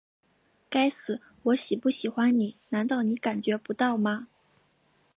该死，我喜不喜欢你难道你感觉不到吗?